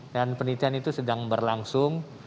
dan penelitian itu sedang berlangsung